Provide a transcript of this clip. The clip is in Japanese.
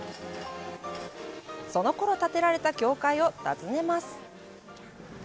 そのころ建てられた教会を訪ねます。